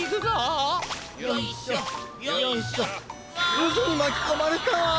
うずにまきこまれたわ！